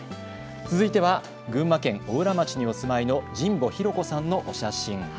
続いては群馬県邑楽町にお住まいの神保弘子さんのお写真。